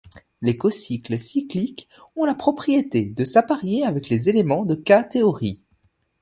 Les cocycles cycliques ont la propriété de s'apparier avec les éléments de K-théorie.